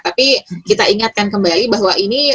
tapi kita ingatkan kembali bahwa ini